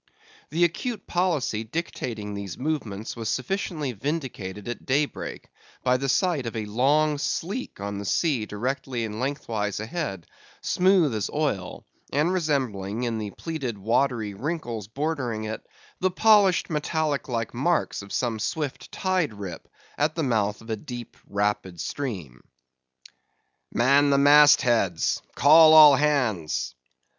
The acute policy dictating these movements was sufficiently vindicated at daybreak, by the sight of a long sleek on the sea directly and lengthwise ahead, smooth as oil, and resembling in the pleated watery wrinkles bordering it, the polished metallic like marks of some swift tide rip, at the mouth of a deep, rapid stream. "Man the mast heads! Call all hands!"